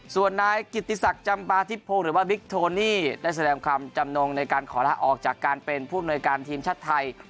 ส่วนนายกิติศักดิ์จำปาทิพพงศ์หรือว่าบิ๊กโทนี่ได้แสดงความจำนงในการขอลาออกจากการเป็นผู้อำนวยการทีมชาติไทย